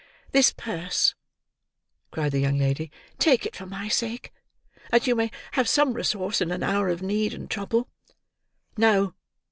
"This purse," cried the young lady. "Take it for my sake, that you may have some resource in an hour of need and trouble." "No!"